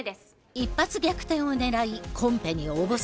一発逆転を狙いコンペに応募する。